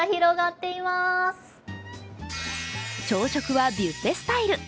朝食はビュッフェスタイル。